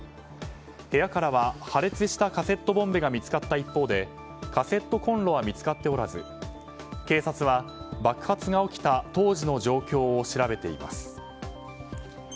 部屋からは破裂したカセットボンベが見つかった一方でカセットコンロは見つかっておらず警察は爆発が起きた当時の状況を調べています。